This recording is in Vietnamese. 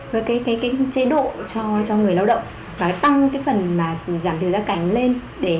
với cái chế độ cho người lao động phải tăng cái phần giảm trừ gia cảnh lên